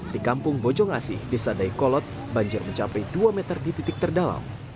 di kampung bojong asih desa daekolot banjir mencapai dua meter di titik terdalam